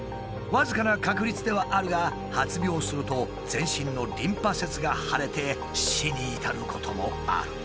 僅かな確率ではあるが発病すると全身のリンパ節が腫れて死に至ることもある。